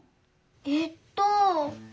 えっと。